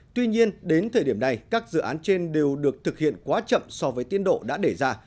tuy nhiên đến thời điểm này các dự án trên đều được thực hiện quá chậm so với tiến độ đã để ra